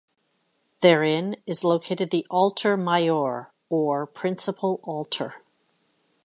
Therein is located the "Altar Mayor" or principal altar.